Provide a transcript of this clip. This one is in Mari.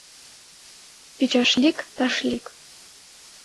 Пичашлик-ташлик